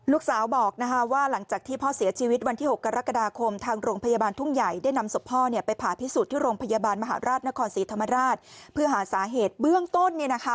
ลูกสาวบอกว่าหลังจากที่พ่อเสียชีวิตวันที่๖กรกฎาคมทางโรงพยาบาลทุ่งใหญ่ได้นำศพพ่อไปผ่าพิสูจน์ที่โรงพยาบาลมหาราชนครศรีธรรมราชเพื่อหาสาเหตุเบื้องต้น